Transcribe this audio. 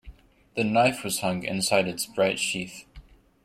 The knife was hung inside its bright sheath.